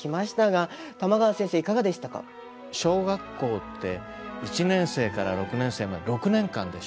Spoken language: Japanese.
小学校って１年生から６年生まで６年間でしょ。